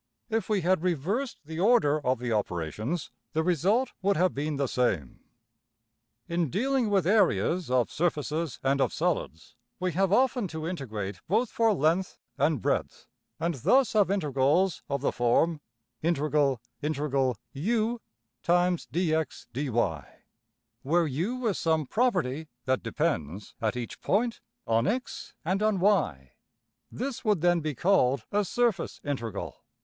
If we had reversed the order of the operations, the result would have been the same. In dealing with areas of surfaces and of solids, we have often to integrate both for length and breadth, and thus have integrals of the form \[ \iint u · dx\, dy, \] where $u$ is some property that depends, at each point, on~$x$ and on~$y$. This would then be called a \emph{surface integral}.